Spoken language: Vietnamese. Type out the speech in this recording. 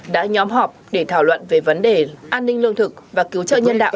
đã nhóm họp để thảo luận về vấn đề an ninh lương thực và cứu trợ nhân đạo